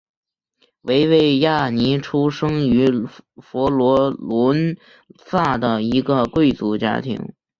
维维亚尼出生于佛罗伦萨的一个贵族家庭。